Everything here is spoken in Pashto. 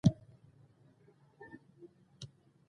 هابسبورګ کورنۍ یو پیاوړی سیاسي ځواک و.